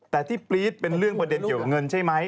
แต่ที่ปรี๊ดเป็นเรื่องประเด็นเกี่ยวกับเงินใช่ไหม